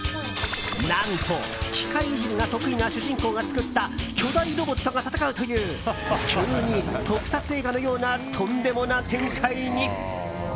何と、機械いじりが得意な主人公が作った巨大ロボットが戦うという急に特撮映画のようなとんでもな展開に。